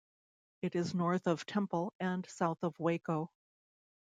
It is north of Temple and south of Waco.